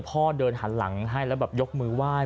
พ่อเดินหันหลังให้แล้วแบบยกมือไหว้